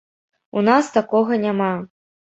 У нас такога няма.